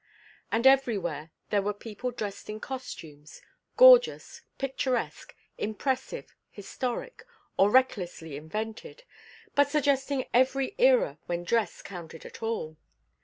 And everywhere there were people dressed in costumes, gorgeous, picturesque, impressive, historic, or recklessly invented, but suggesting every era when dress counted at all.